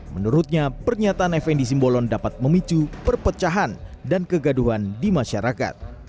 menurutnya pernyataan fnd simbolon dapat memicu perpecahan dan kegaduhan di masyarakat